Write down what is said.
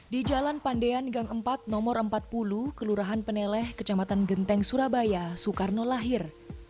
di jalan pandean gang empat nomor empat puluh kelurahan peneleh kecamatan genteng surabaya soekarno lahir